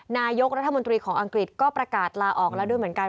นายกรัฐมนตรีของอังกฤษก็ประกาศลาออกแล้วด้วยเหมือนกัน